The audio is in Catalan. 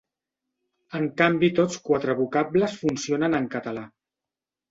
En canvi tots quatre vocables funcionen en català.